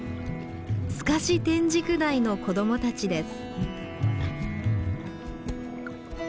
スカシテンジクダイの子供たちです。